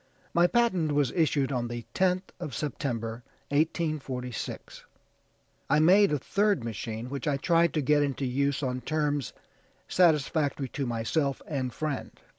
My patent was issued on the 10th of September, 1846. I made a third machine, which I tried to get into use on terms satisfactory to myself and friend.